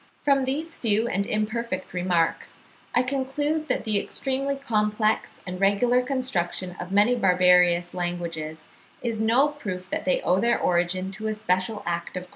From these few and imperfect remarks I conclude that the extremely complex and regular construction of many barbarous languages, is no proof that they owe their origin to a special act of creation.